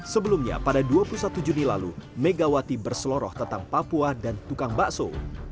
sebelumnya pada dua puluh satu juni lalu megawati berseloroh tentang papua dan tukang bakso